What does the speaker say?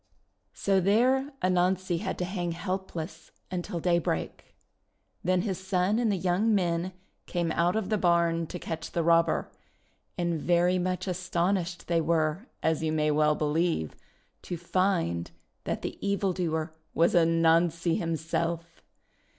So there Anansi had to hang helpless until daybreak. Then his son and the young men came out of the barn to catch the robber, and very much astonished they were, as you may well believe, to find that the evil doer was Anansi himself